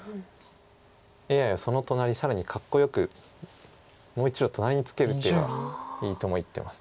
ＡＩはその隣更にかっこよくもう１路隣にツケるっていうのがいいとも言ってます。